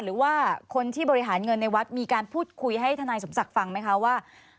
หรือว่าคนที่บริหารเงินในวัดมีการพูดคุยให้ทนายสมศักดิ์ฟังไหมคะว่า